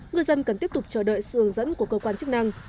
ngư dân cần tiếp tục chờ đợi sự hướng dẫn của cơ quan chức năng